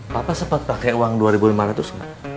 papa sempat pake uang dua ribu lima ratus gak